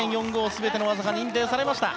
全ての技が認定されました。